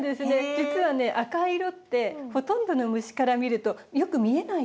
実はね赤い色ってほとんどの虫から見るとよく見えない色なんです。